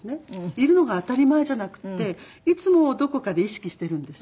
いるのが当たり前じゃなくっていつもどこかで意識してるんです。